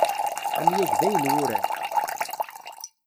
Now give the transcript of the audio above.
Amyag d ayenwuran.